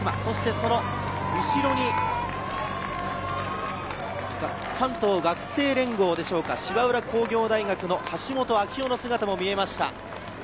その後ろに関東学生連合でしょうか、芝浦工業大学の橋本章央の姿が見えました。